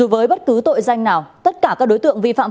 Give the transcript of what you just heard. về truy nã tội phạm